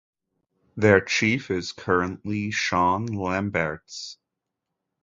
Their Chief is currently Sean Lambertz.